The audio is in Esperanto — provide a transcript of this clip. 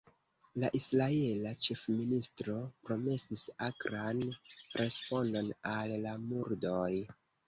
La israela ĉefministro promesis akran respondon al la murdoj.